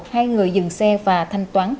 hai người dừng xe và thanh toán